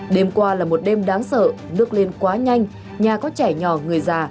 đêm qua là một đêm đáng sợ nước lên quá nhanh nhà có trẻ nhỏ người già